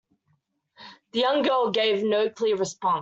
The young girl gave no clear response.